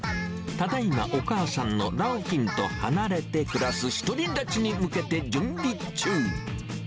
ただいまお母さんの良浜と離れて暮らす独り立ちに向けて準備中。